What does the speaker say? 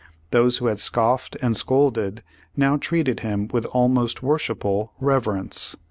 Those who had scoffed and scolded, now treated him with almost worshipful reverence.